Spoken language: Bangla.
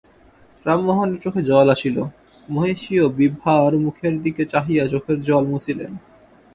রামমোহনের চোখে জল আসিল, মহিষীও বিভার মুখের দিকে চাহিয়া চোখের জল মুছিলেন।